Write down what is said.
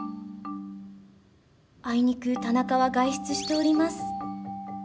あいにく田中は外出しております。